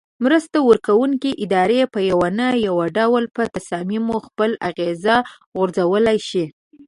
مرسته ورکوونکې ادارې په یو نه یو ډول په تصامیمو خپل اغیز غورځولای شي.